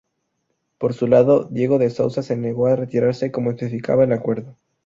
Por su lado, Diego de Souza se negó a retirarse como especificaba el acuerdo.